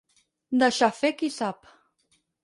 Deixar fer qui sap.